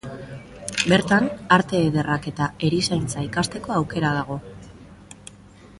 Bertan, arte ederrak eta erizaintza ikasteko aukera dago.